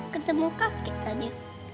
ketemu kakek tadi